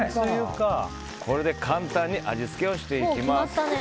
これで簡単に味付けをしていきます。